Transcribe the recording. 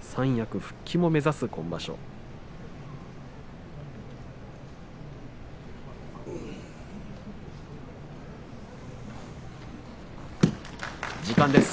三役復帰を目指す今場所です。